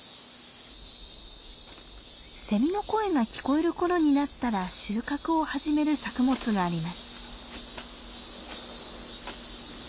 セミの声が聞こえる頃になったら収穫を始める作物があります。